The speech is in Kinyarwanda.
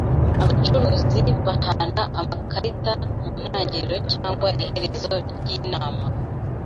Abacuruzi bahana amakarita mu ntangiriro cyangwa iherezo ryinama.